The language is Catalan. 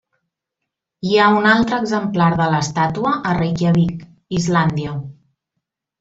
Hi ha un altre exemplar de l'estàtua a Reykjavík, Islàndia.